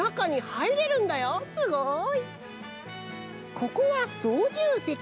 ここはそうじゅうせき。